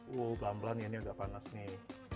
wow pelan pelan ya ini agak panas nih